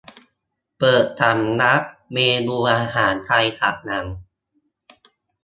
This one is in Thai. เปิดสำรับเมนูอาหารไทยจากหนัง